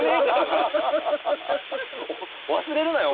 忘れるなよ。